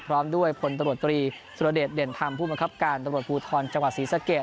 พร้อมด้วยพลตำรวจตรีสุรเดชเด่นธรรมผู้บังคับการตำรวจภูทรจังหวัดศรีสะเกด